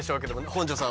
本上さん